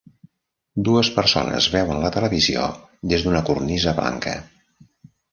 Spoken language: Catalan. Dues persones veuen la televisió des d'una cornisa blanca.